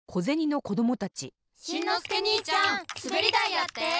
しんのすけにいちゃんすべりだいやって！